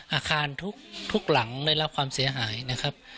อาคารทุกหลังได้รับความเสียหายนะครับ